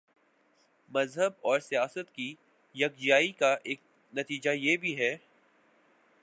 مذہب اور سیاست کی یک جائی کا ایک نتیجہ یہ بھی ہے۔